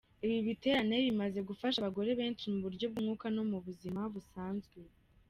Ibi biterane bimaze gufasha abagore benshi mu buryo bw'umwuka no mu buzima busanzwe.